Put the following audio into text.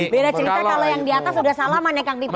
beda cerita kalau yang di atas sudah salaman ya kang pipin